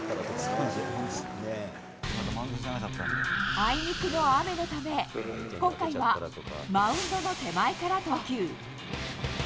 あいにくの雨のため今回はマウンドの手前から投球。